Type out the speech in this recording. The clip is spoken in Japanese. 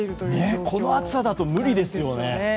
この暑さだと無理ですよね。